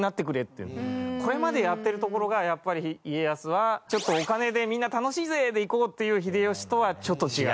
これまでやってるところがやっぱり家康はお金でみんな「楽しいぜ！」でいこうっていう秀吉とはちょっと違う。